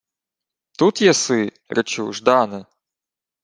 — Тут єси, речу, Ждане?